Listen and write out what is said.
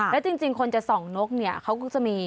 และจริงคนจะส่องนกเขาก็จะมี